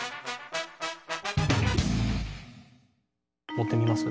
持ってみます？